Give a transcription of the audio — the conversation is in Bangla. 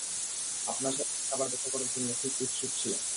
আপনার সাথে আবার দেখা করার জন্য খুব উৎসুক ছিলাম।